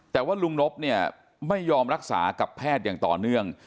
แต่ว่าลุงนบเนี่ยไม่ยอมรักษากับแพทย์อย่างต่อเนื่อง